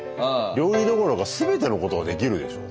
料理どころか全てのことができるでしょ。